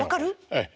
ええ。